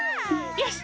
よし！